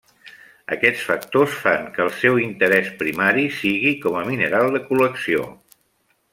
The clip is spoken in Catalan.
Aquests factors fan que el seu interès primari sigui com a mineral de col·lecció.